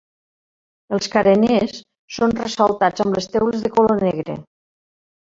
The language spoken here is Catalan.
Els careners són ressaltats amb les teules de color negre.